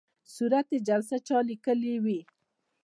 صورت جلسه چا لیکلې وي؟